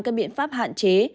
các biện pháp hạn chế